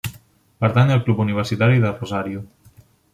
Pertany al Club Universitari de Rosario.